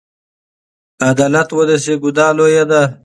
که عدالت ونشي، ګناه لویه ده.